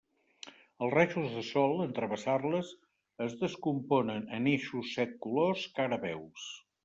Els rajos de sol, en travessar-les, es descomponen en eixos set colors que ara veus.